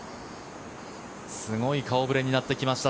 すごい顔触れになってきました。